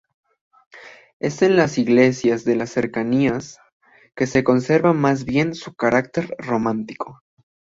Es de las iglesias de las cercanías que conserva más bien su carácter románico.